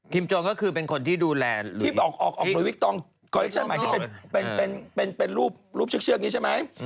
คิมโจนส์ก็คือเป็นคนที่ดูแลหลุยวิตรองเป็นรูปเชือกนี้ใช่ไหม